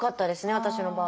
私の場合は。